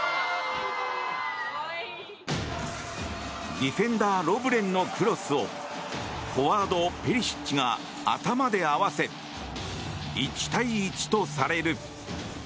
ディフェンダー、ロブレンのクロスをフォワード、ペリシッチが頭で合わせ１対１とされる。